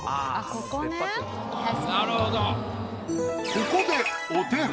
ここでお手本。